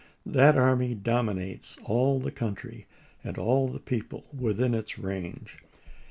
That army dominates all the country and all the people within its range.